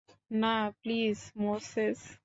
না, please, Moses.